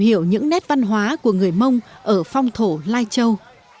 hiểu những nét văn hóa của người mông ở phong thổ lai châu